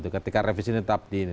ketika revisi ini tetap di